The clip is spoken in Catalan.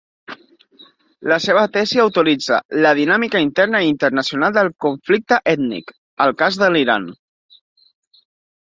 La seva tesi autoritza "la dinàmica interna i internacional del conflicte ètnic: el cas de l'Iran".